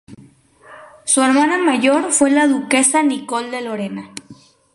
Su hermana mayor fue la duquesa Nicole de Lorena.